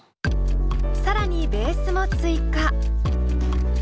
更にベースも追加。